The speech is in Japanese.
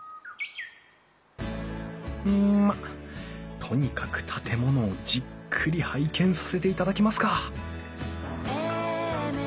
うんまあとにかく建物をじっくり拝見させていただきますか！